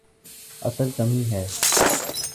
اصل کمی ہے۔